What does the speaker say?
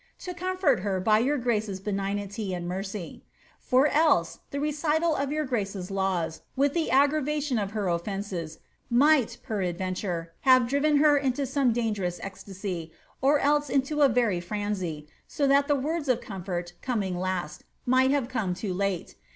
To comfurt her by your grace's benignity and merey; for else, the recital of your grace's laws, wiih the aggravation of her otfenccs, might, peradventurc, have driven her into some dangerous extasy. or el je into a very franzy. so that the wonls of c(>mfiirt, coming last, might have come too late.